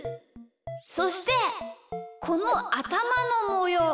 そしてこのあたまのもよう。